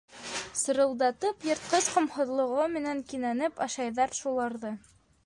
Сырылдатып, йыртҡыс ҡомһоҙлоғо менән кинәнеп ашайҙар шуларҙы.